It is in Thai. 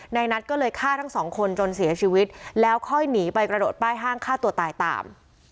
นายนัทก็เลยฆ่าทั้งสองคนจนเสียชีวิตแล้วค่อยหนีไปกระโดดป้ายห้างฆ่าตัวตายตาม